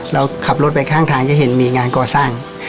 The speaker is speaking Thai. เราขับรถไปข้างทางจะเห็นมีงานก่อสร้าง